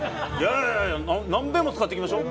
いやいやいや何べんも使っていきましょう。